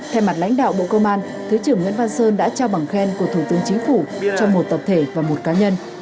thay mặt lãnh đạo bộ công an thứ trưởng nguyễn văn sơn đã trao bằng khen của thủ tướng chính phủ cho một tập thể và một cá nhân